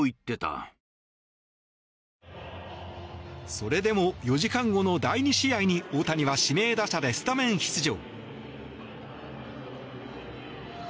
それでも４時間後の第２試合に大谷は指名打者でスタメン出場。